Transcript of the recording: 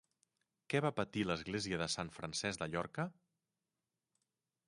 Què va patir l'església de Sant Francesc de Llorca?